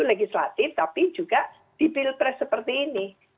legislatif tapi juga di pilpres seperti ini